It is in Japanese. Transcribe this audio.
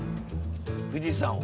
富士山を？